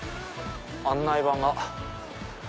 案内板が。